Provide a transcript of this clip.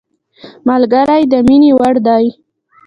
ملګری د مینې وړ دی